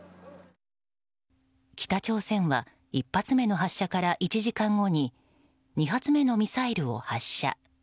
北朝鮮は１発目の発射から１時間後に２発目のミサイルを発射。